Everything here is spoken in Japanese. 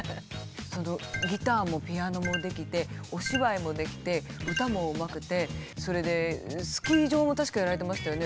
ギターもピアノもできてお芝居もできて歌もうまくてそれでスキー場も確かやられてましたよね。